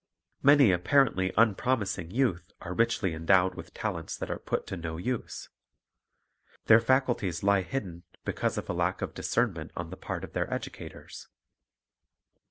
Many apparently unpromising youth are richly endowed with talents that are put to no use. Their faculties lie hidden because of a lack of discernment on the part of their educators.